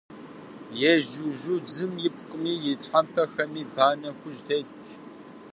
Ежьужьудзым ипкъми и тхьэмпэхэми банэ хужь тетщ.